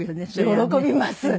喜びます。